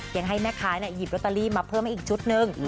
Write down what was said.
ยังให้แม่ค้าหยิบลอตเตอรี่มาเพิ่มให้อีกชุดหนึ่ง